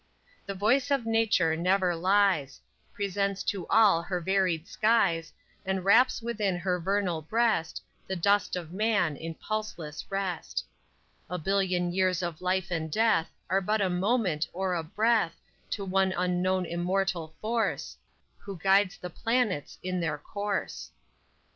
_ _The voice of Nature never lies, Presents to all her varied skies, And wraps within her vernal breast The dust of man in pulseless rest._ _A billion years of life and death Are but a moment or a breath To one unknown Immortal Force Who guides the planets in their course!